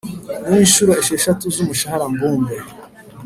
n inshuro esheshatu z umushahara mbumbe